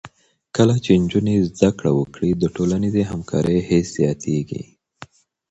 کله چې نجونې زده کړه وکړي، د ټولنیزې همکارۍ حس زیاتېږي.